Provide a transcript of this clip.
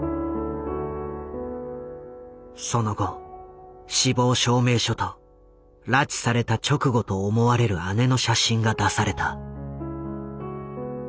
その後死亡証明書と拉致された直後と思われる姉の写真が出された。